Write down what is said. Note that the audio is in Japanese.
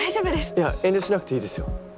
いや遠慮しなくていいですよ。